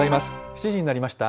７時になりました。